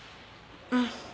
うん。